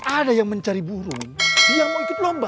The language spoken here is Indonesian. ada yang mencari burung yang mau ikut lomba